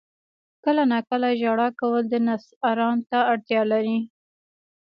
• کله ناکله ژړا کول د نفس آرام ته اړتیا لري.